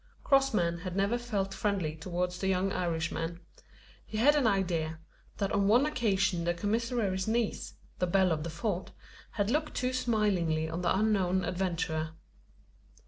Crossman had never felt friendly towards the young Irishman. He had an idea, that on one occasion the commissary's niece the belle of the Fort had looked too smilingly on the unknown adventurer.